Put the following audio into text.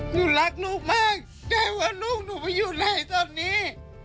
หนูรักลูกมากแกว่าลูกหนูไม่อยู่ในนี้